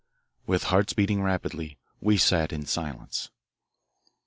With hearts beating rapidly we sat in silence.